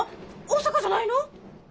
大阪じゃないの？